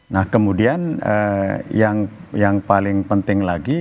nah kemudian yang paling penting lagi